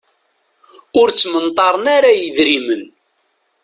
Ur ttmenṭaren ara yidrimen.